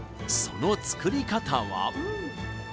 その作り方は？